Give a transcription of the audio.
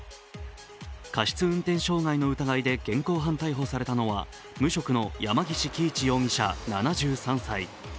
過失運転傷害の疑いで現行犯逮捕されたのは無職の山岸喜一容疑者７３歳。